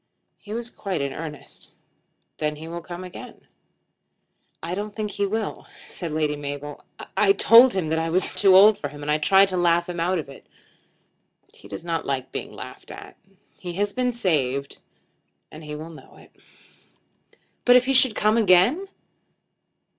"He was quite in earnest." "Then he will come again." "I don't think he will," said Lady Mabel. "I told him that I was too old for him, and I tried to laugh him out of it. He does not like being laughed at. He has been saved, and he will know it." "But if he should come again?"